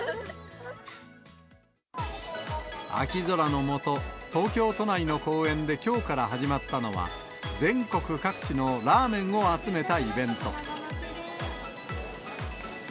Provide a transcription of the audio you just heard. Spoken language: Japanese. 秋空の下、東京都内の公園できょうから始まったのは、全国各地のラーメンを集めたイベント。